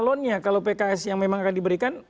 calonnya kalau pks yang memang akan diberikan